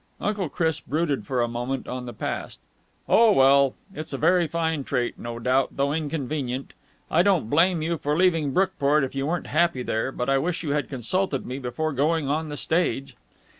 Uncle Chris brooded for a moment on the past. "Oh, well, it's a very fine trait, no doubt, though inconvenient. I don't blame you for leaving Brookport if you weren't happy there. But I wish you had consulted me before going on the stage."